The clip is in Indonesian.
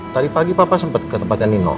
tadi pagi papa sempat ke tempatnya nino